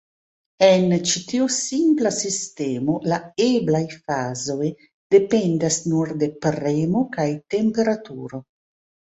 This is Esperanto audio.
En ĉi tiu simpla sistemo, la eblaj fazoj dependas nur de premo kaj temperaturo.